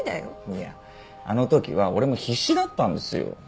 いやあの時は俺も必死だったんですよ。